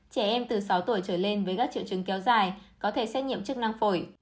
trẻ em từ sáu tuổi trở lên với các triệu chứng kéo dài có thể xét nghiệm chức năng phổi